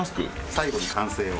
最後に完成を。